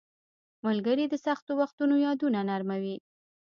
• ملګري د سختو وختونو یادونه نرموي.